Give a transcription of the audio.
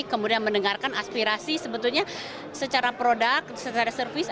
kemudian mendengarkan aspirasi sebetulnya secara produk secara service